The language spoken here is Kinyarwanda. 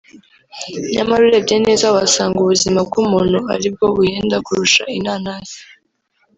nyamara urebye neza wasanga ubuzima bw’umuntu ari bwo buhenda kurusha inanasi